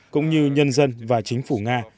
cũng như nhân dân và chính phủ nga